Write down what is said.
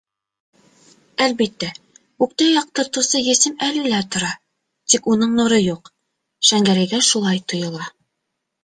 Әлбиттә, күктә яҡтыртыусы есем әле лә тора, тик уның нуры юҡ - Шәңгәрәйгә шулай тойола.